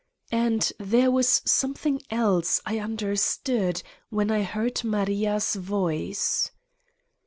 And there was some thing else I understood when I heard Maria's voice.